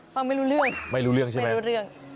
ฟังไม่รู้เรื่องไม่รู้เรื่องใช่ไหมไม่รู้เรื่อง